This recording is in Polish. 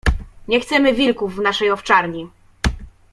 "Nie chcemy wilków w naszej owczarni."